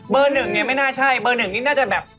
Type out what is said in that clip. เบอร์๑เนี่ยไม่น่าใช่เบอร์๑นี่น่าจะแบบ